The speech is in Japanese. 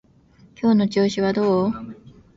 今日の調子はどう？